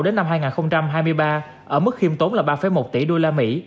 đến năm hai nghìn hai mươi ba ở mức khiêm tốn là ba một tỷ đô la mỹ